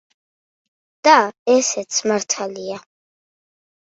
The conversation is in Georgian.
და ესეც მართალია.